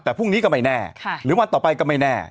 แต่พรุ่งนี้ก็ไม่แน่หรือวันต่อไปก็ไม่แน่